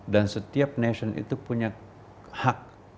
dan setiap nation itu punya hak